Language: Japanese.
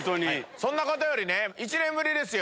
そんなことよりね１年ぶりですよ